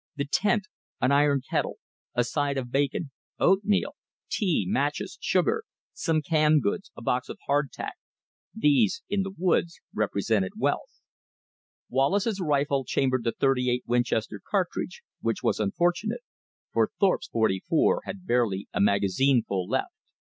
The tent, an iron kettle, a side of bacon, oatmeal, tea, matches, sugar, some canned goods, a box of hard tack, these, in the woods, represented wealth. Wallace's rifle chambered the .38 Winchester cartridge, which was unfortunate, for Thorpe's .44 had barely a magazineful left.